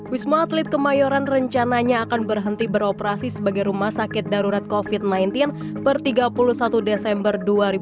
wisma atlet kemayoran rencananya akan berhenti beroperasi sebagai rumah sakit darurat covid sembilan belas per tiga puluh satu desember dua ribu dua puluh